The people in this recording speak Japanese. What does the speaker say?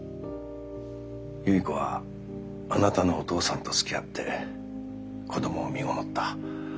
有依子はあなたのお父さんと好き合って子供をみごもった。